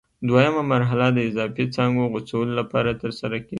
دوه یمه مرحله د اضافي څانګو غوڅولو لپاره ترسره کېږي.